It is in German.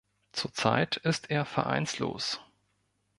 Zurzeit ist er vereinslos.